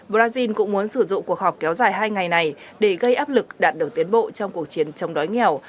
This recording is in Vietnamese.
brazil cũng muốn sử dụng cuộc họp kéo dài hai ngày này để gây áp lực đạt được tiến bộ trong cuộc chiến chống đói nghèo